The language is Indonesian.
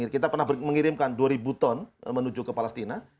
kita pernah mengirimkan dua ribu ton menuju ke palestina